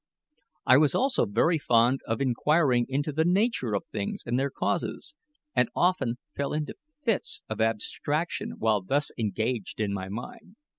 I was also very fond of inquiring into the nature of things and their causes, and often fell into fits of abstraction while thus engaged in my mind.